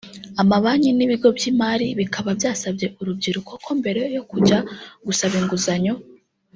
amabanki n’ibigo by’imari bikaba byasabye urubyiruko ko mbere yo kujya gusaba inguzanyo